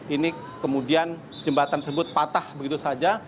ini kemudian jembatan tersebut patah begitu saja